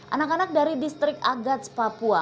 anak anak dari distrik agats papua